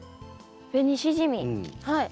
ベニシジミはい。